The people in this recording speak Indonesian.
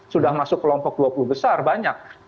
sudah masuk kelompok dua puluh besar banyak